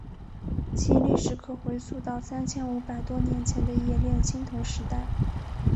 其历史可回溯到三千五百多年前的冶炼青铜时代。